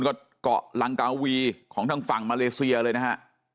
ก็เกาะลังกาวีของทางฝั่งมาเลเซียเลยนะฮะ